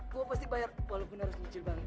gue pasti bayar walaupun harus lucu bang